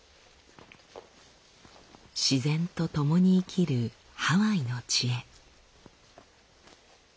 自然とともに生きるハワイの知恵。